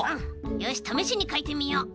よしためしにかいてみよう。